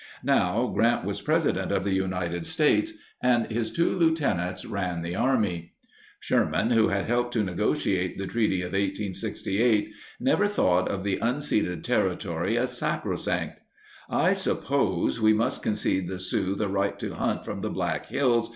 Now Grant was President of the United States, and his two lieutenants ran the Army. Sherman, who had helped to negotiate the Treaty of 1868, never thought of the unceded territory as sacrosanct. "I suppose we must concede the Sioux the right to hunt from the Black Hills